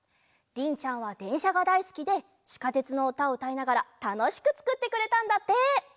りんちゃんはでんしゃがだいすきで「ちかてつ」のうたをうたいながらたのしくつくってくれたんだって！